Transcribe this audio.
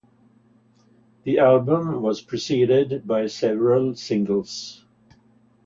The album was preceded by several singles.